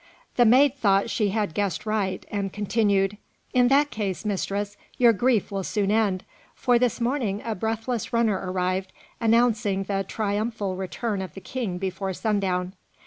The maid thought she had guessed right, and continued, "In that case, mistress, your grief will soon end, for this morning a breathless runner arrived, announcing the triumphal return of the king before sundown.